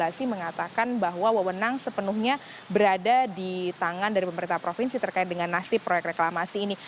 dan saat ini regulasi mengatakan bahwa wewenang sepenuhnya berada di tangan dari pemerintah provinsi terkait dengan nasib proyek reklamasi ini